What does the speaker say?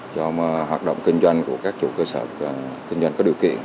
cho hoạt động kinh doanh của các chủ cơ sở kinh doanh có điều kiện